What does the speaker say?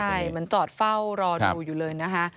ใช่มันจอดเฝ้ารอดูอยู่เลยนะคะ